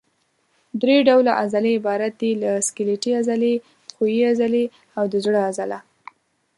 درې ډوله عضلې عبارت دي له سکلیټي عضلې، ښویې عضلې او د زړه عضله.